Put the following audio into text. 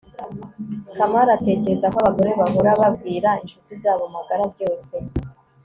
kamali atekereza ko abagore bahora babwira inshuti zabo magara byose